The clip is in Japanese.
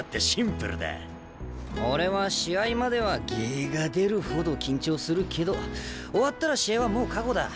俺は試合まではゲーが出るほど緊張するけど終わったら試合はもう過去だ。